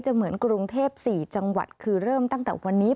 เหมือนกรุงเทพ๔จังหวัดคือเริ่มตั้งแต่วันนี้